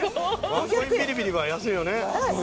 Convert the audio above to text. ワンコインビリビリは安いよね。